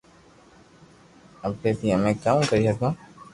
ايي مي امي ڪاوُ ڪري ھگو